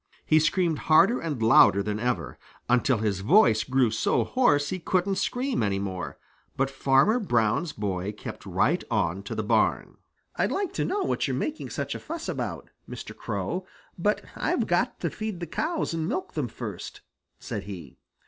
He screamed harder and louder than ever, until his voice grew so hoarse he couldn't scream any more, but Farmer Brown's boy kept right on to the barn. "I'd like to know what you're making such a fuss about, Mr. Crow, but I've got to feed the cows and milk them first," said he.